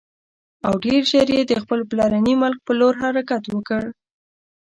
او ډېر ژر یې د خپل پلرني ملک پر لور حرکت وکړ.